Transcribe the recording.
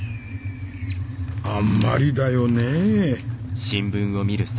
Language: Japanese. あんまりだよねえ」。